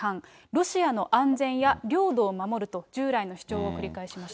ロシアの安全や領土を守ると、従来の主張を繰り返しました。